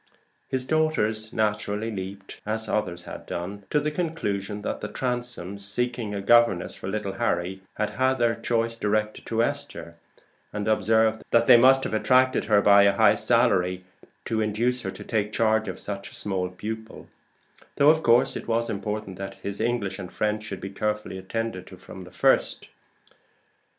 His daughters naturally leaped, as others had done, to the conclusion that the Transomes, seeking a governess for little Harry, had had their choice directed to Esther, and observed that they must have attracted her by a high salary to induce her to take charge of such a small pupil; though of course it was important that his English and French should be carefully attended to from the first.